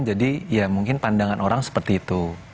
jadi ya mungkin pandangan orang seperti itu